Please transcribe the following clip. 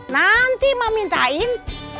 nanti mak mintain